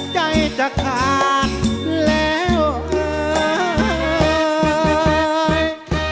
ใจจะขาดแล้วเอ่ย